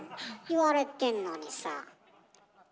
言われてんのにさ。